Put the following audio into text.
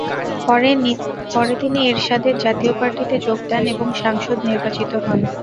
পরে তিনি এরশাদের জাতীয় পার্টিতে যোগ দেন এবং সাংসদ নির্বাচিত হন।